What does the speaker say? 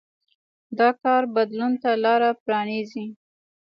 دا کار بدلون ته لار پرانېزي.